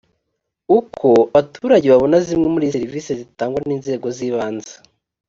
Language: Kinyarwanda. uko abaturage babona zimwe muri serivisi zitangwa n inzego z’ibanze